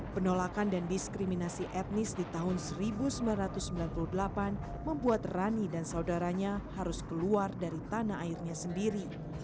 penolakan dan diskriminasi etnis di tahun seribu sembilan ratus sembilan puluh delapan membuat rani dan saudaranya harus keluar dari tanah airnya sendiri